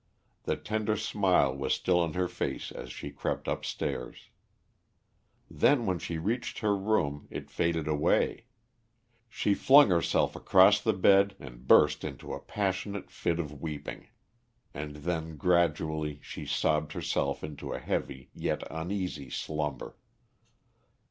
The tender smile was still on her face as she crept upstairs. Then when she reached her room it faded away. She flung herself across the bed and burst into a passionate fit of weeping. And then gradually she sobbed herself into a heavy yet uneasy slumber.